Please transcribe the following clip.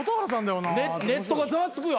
ネットがざわつくよ。